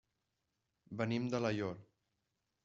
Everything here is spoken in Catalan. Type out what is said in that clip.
Venim d'Alaior.